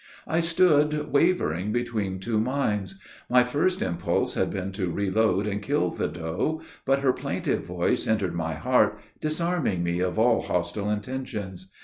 I stood wavering between two minds. My first impulse had been to reload, and kill the doe; but her plaintive voice entered my heart, disarming me of all hostile intentions.